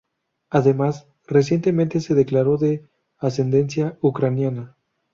Además, recientemente se declaró de ascendencia ucraniana.